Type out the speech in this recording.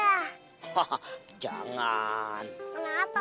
sampai jumpa di video selanjutnya